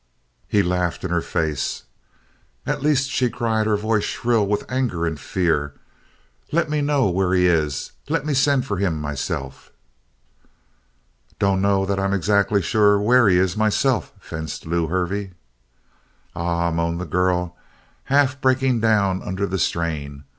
He laughed in her face. "At least," she cried, her voice shrill with anger and fear, "let me know where he is. Let me send for him myself." "Dunno that I'm exactly sure about where he is myself," fenced Lew Hervey. "Ah," moaned the girl, half breaking down under the strain.